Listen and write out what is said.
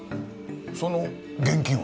その現金は？